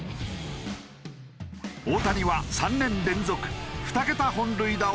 大谷は３年連続２桁本塁打を記録した。